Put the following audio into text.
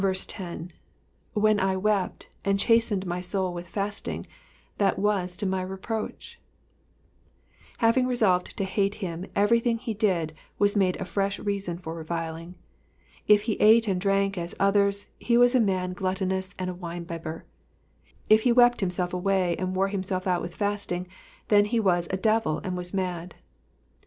When Iwept^ and cliastentd my soul with fasting, that was to my reproach,^'' Having resolved to hate him, everything he did was made a fresh reason for reviling. If he ate and drank as others, he was a man gluttonous and a wine bibber ; if he wept him.self away and wore himself out with fasting, then he had a devil and was mad.